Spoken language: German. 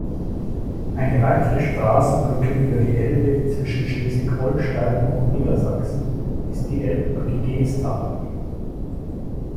Eine weitere Straßenbrücke über die Elbe zwischen Schleswig-Holstein und Niedersachsen ist die Elbbrücke Geesthacht.